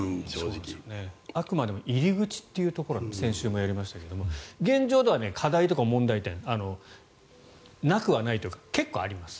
あくまでも入り口というところを先週やりましたけど現状では課題とか問題点なくはないというか結構あります。